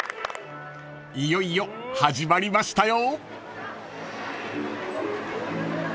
［いよいよ始まりましたよ］